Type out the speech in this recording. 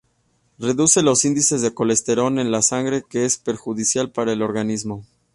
Reduce los índices de colesterol en la sangre que es perjudicial para el organismo.